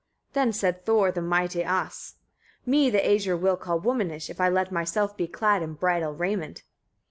18. Then said Thor, the mighty As: "Me the Æsir will call womanish, if I let myself be clad in bridal raiment."